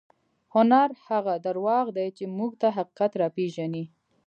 هنر هغه درواغ دي چې موږ ته حقیقت راپېژني.